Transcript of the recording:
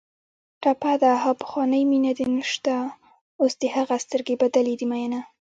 ټپه ده: ها پخوانۍ مینه دې نشته اوس دې هغه سترګې بدلې دي مینه